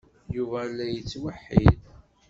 Yuba a la yettweḥḥid.